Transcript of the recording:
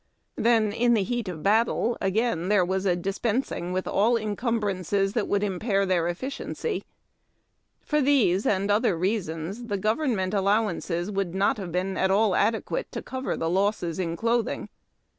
Then, in the heat of battle, again there was a dispensing with all encumbrances that would impair 318 HARD TACK AND COFFEE. their efficiency. For these and other reasons, the govern mental aUowances would not have been at all adequate to cover the losses in clothing.